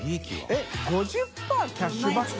えっ「５０％キャッシュバック」？